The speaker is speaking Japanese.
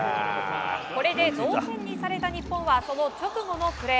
これで同点にされた日本はその直後のプレー。